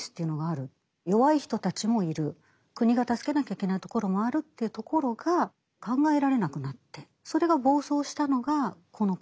だけど国が助けなきゃいけないところもあるというところが考えられなくなってそれが暴走したのがこのころ。